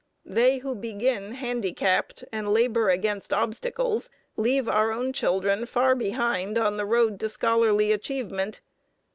They who begin handicapped, and labor against obstacles, leave our own children far behind on the road to scholarly achievement.